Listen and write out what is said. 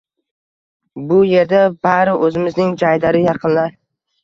Bu yerda bari o‘zimizning jaydari yaqinlar.